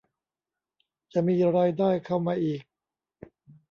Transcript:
จะมีรายได้เข้ามาอีก